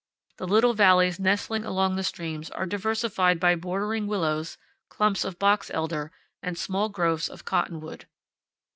The little valleys nestling along the streams are diversified by bordering willows, clumps of box elder, and small groves of cottonwood.